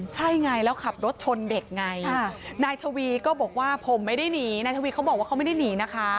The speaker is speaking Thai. ใช่ไงแล้วขับรถชนเด็กไงนายทวีก็บอกว่าผมไม่ได้หนี